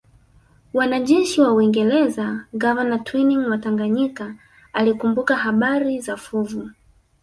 Wanajeshi wa Uingereza gavana Twining wa Tanganyika alikumbuka habari za fuvu